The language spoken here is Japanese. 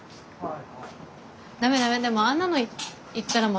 はい。